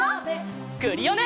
クリオネ！